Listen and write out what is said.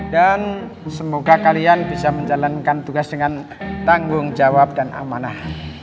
dan semoga kalian bisa menjalankan tugas dengan tanggung jawab dan amanah